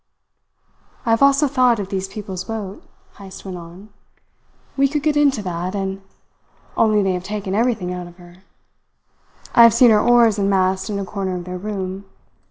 "I have also thought of these people's boat," Heyst went on. "We could get into that, and only they have taken everything out of her. I have seen her oars and mast in a corner of their room.